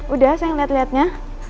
udah sayang liat liatnya